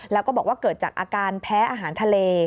แล้วก็บอกว่าเกิดจากอาการแพ้อาหารทะเล